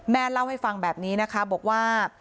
เล่าให้ฟังแบบนี้นะคะบอกว่า